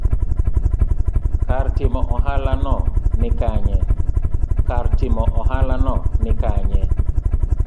kar timo ohalano ni kanye?